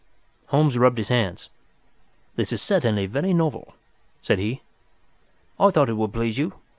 Holmes rubbed his hands. "This is certainly very novel," said he. "I thought it would please you.